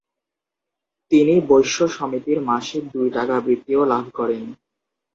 তিনি বৈশ্য সমিতির মাসিক দুই টাকা বৃত্তিও লাভ করেন।